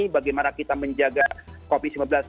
bagaimana kita menjaga covid sembilan belas